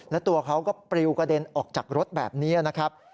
แล้วตัวเขาก็ปริวกระเด็นออกจากรถแบบนี้นะครับ